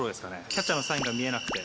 キャッチャーのサインが見えなくて。